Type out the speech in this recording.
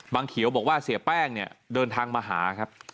บังเขียวบอกว่าเสียแป้งเดินทางมาหาครับ